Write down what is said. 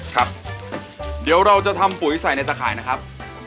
ครับเดี๋ยวเราจะทำปุ๋ยใส่ในตะข่ายนะครับ